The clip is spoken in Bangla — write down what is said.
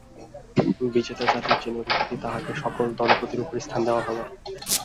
বিজেতা জাতির যিনি অধিপতি, তাঁহাকে সকল দলপতির উপরে স্থান দেওয়া হইল।